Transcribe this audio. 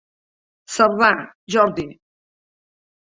Cerdà, Jordi.